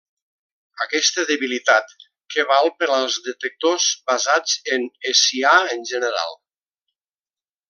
Aquesta debilitat que val per als detectors basats en Hessià en general.